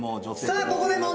さあ！